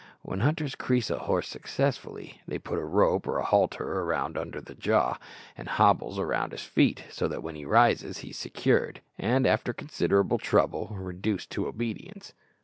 When hunters crease a horse successfully they put a rope, or halter, round his under jaw and hobbles round his feet, so that when he rises he is secured, and, after considerable trouble, reduced to obedience.